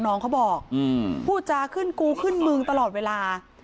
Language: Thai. น้องเขาบอกพูดจาขึ้นกูขึ้นมึงตลอดเวลา